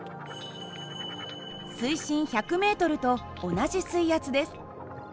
水深１００ｍと同じ水圧です。